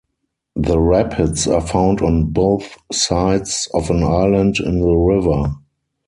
The rapids are found on both sides of an island in the river.